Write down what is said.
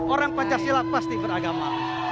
orang pancasila pasti beragama